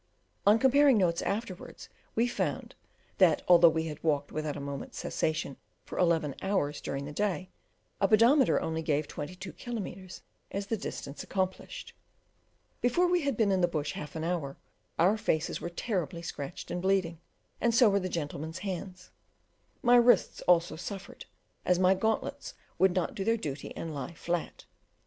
On comparing notes afterwards, we found, that although we had walked without a moment's cessation for eleven hours during the day, a pedometer only gave twenty two miles as the distance accomplished. Before we had been in the bush half an hour our faces were terribly scratched and bleeding, and so were the gentlemen's hands; my wrists also suffered, as my gauntlets would not do their duty and lie flat.